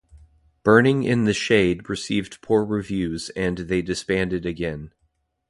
"Burning in the Shade" received poor reviews and they disbanded again.